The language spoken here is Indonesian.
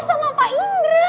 sama pak ibu